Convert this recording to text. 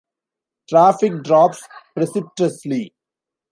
Traffic drops precipitously.